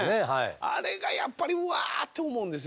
あれがやっぱりうわって思うんですよね。